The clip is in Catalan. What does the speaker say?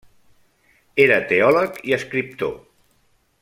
Era teòleg i escriptor.